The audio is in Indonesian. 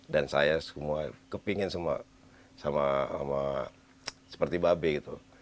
dan saya semua kepengen sama seperti bab gitu